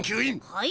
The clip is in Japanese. はい？